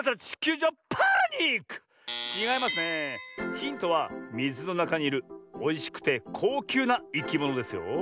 ヒントはみずのなかにいるおいしくてこうきゅうないきものですよ。